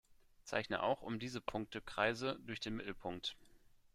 Zeichne auch um diese Punkte Kreise durch den Mittelpunkt.